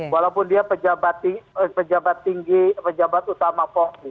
walaupun dia pejabat tinggi pejabat utama polri